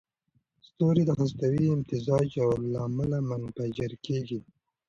ستوري د هستوي امتزاج له امله منفجر کېږي.